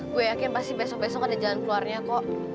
gue yakin pasti besok besok ada jalan keluarnya kok